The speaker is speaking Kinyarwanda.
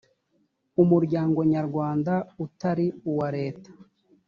umuryango nyarwanda utari uwa leta